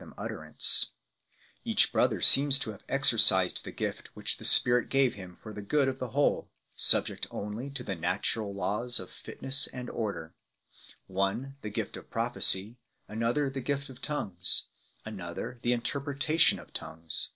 them utterance ; each brother seems to have exercised the giftwhich the Spirit gave him for the_good of the wLole, siibject only to the natural laws of fitness and ordej ; one the gift of prophecy, another the gift of tongues, another the, interpretation of tongues^.